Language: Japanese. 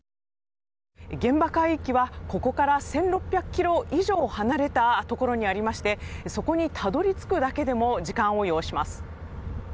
現場海域はここから１６００ｋｍ以上離れたところにありましてそこにたどり着くだけでも時間を要します。